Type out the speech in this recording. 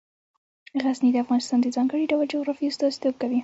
غزني د افغانستان د ځانګړي ډول جغرافیه استازیتوب کوي.